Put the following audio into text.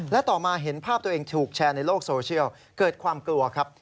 และต่อมาเห็นภาพตัวเองถูกแชร์ในโลกโซเชียลเกิดความกลัวครับ